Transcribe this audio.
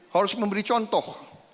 harus memberi contoh